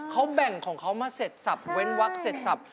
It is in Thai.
เขาแบ่งของเขามาเสร็จสับเว้นวักเสร็จสับ